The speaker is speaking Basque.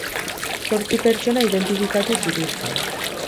Zortzi pertsona identifikatu zituzten.